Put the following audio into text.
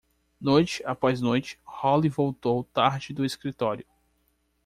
Noite após noite, Holly voltou tarde do escritório.